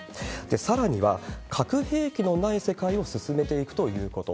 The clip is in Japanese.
さらには、核兵器のない世界を進めていくということ。